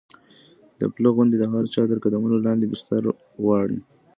د پله غوندې د هر چا تر قدمونو لاندې بستر غواړي.